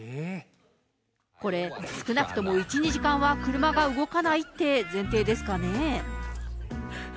これ、少なくとも１、２時間は車が動かないっていう前提ですかね。